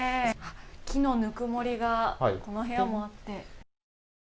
木のぬくもりがこの部屋もあって。